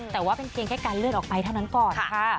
แต่ว่าเป็นเพียงแค่การเลื่อนออกไปเท่านั้นก่อนค่ะ